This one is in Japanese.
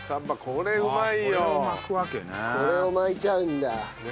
これを巻いちゃうんだ。